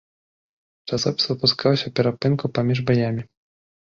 Часопіс выпускаўся ў перапынку паміж баямі.